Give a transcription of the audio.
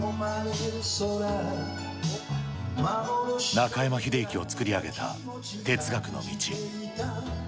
中山秀征を作り上げた哲学の道。